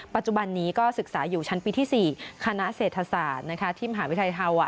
ปัจจุบันนี้ก็ศึกษาอยู่ชั้นปีที่๔คณะเศรษฐศาสตร์ที่มหาวิทยาลัยเทา